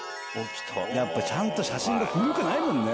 やっぱ写真が古くないもんね。